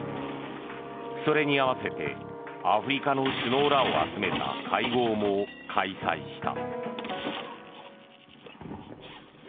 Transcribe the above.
それに合わせてアフリカの首脳らを集めた会合も開催した。